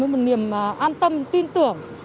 một niềm an tâm tin tưởng